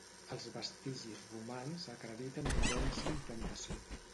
Els vestigis romans acrediten una densa implantació.